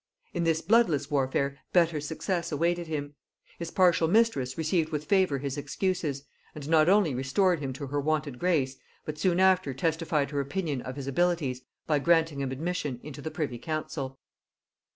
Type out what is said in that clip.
In this bloodless warfare better success awaited him. His partial mistress received with favor his excuses; and not only restored him to her wonted grace, but soon after testified her opinion of his abilities by granting him admission into the privy council.